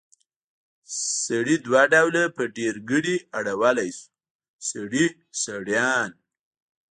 سړی دوه ډوله په ډېرګړي اړولی شو؛ سړي، سړيان.